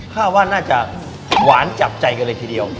ว่าน่าจะหวานจับใจกันเลยทีเดียว